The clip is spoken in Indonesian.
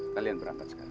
kalian berangkat sekarang